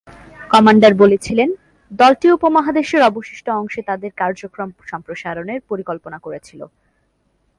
Commander বলেছিলেন, দলটি উপমহাদেশের অবশিষ্ট অংশে তাদের কার্যক্রম সম্প্রসারণের পরিকল্পনা করেছিল।